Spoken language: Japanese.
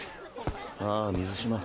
ああ水嶋。